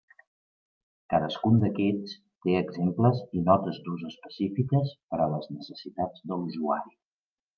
Cadascun d'aquests té exemples i notes d'ús específiques per a les necessitats de l'usuari.